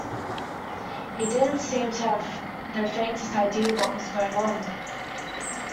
He didn't seem to have the faintest idea what was going on.